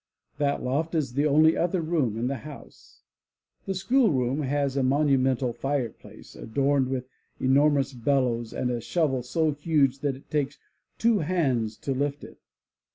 That loft is the only other room in the house. The school room has a monimiental fire place, adorned with enormous bellows and a shovel so huge that it takes two hands to lift it.